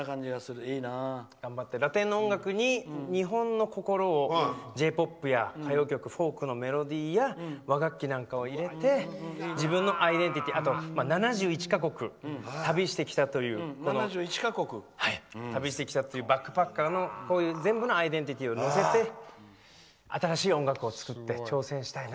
ラテンの音楽に日本の心Ｊ‐ＰＯＰや歌謡曲フォークのメロディーや和楽器なんかを入れて自分のアイデンティティーをあと、７１か国旅してきたというバックパッカーの全部のアイデンティティーを乗せて新しい音楽を作って挑戦したいなと。